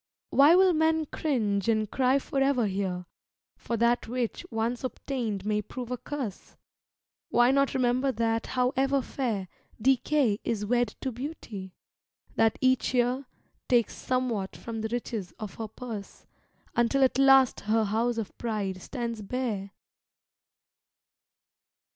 Why will men cringe and cry forever here For that which, once obtained, may prove a curse? Why not remember that, however fair, Decay is wed to Beauty? That each year Takes somewhat from the riches of her purse, Until at last her house of pride stands bare?